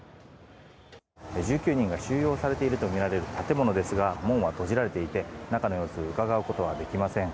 １９人が収容されているとみられる建物ですが門は閉じられていて、中の様子をうかがうことはできません。